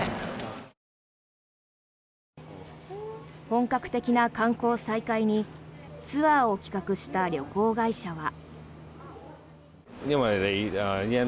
本格的な観光再開にツアーを企画した旅行会社は。